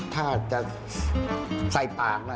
ถ้าจะใส่ปากนะ